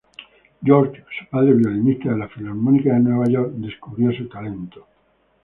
George, su padre, violinista de la Filarmónica de Nueva York, descubrió su talento.